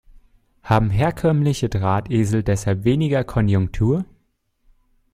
Haben herkömmliche Drahtesel deshalb weniger Konjunktur?